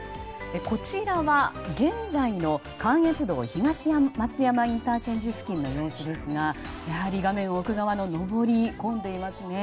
こちらは、現在の関越道東松山ＩＣ付近の様子ですがやはり画面奥側の上り混んでいますね。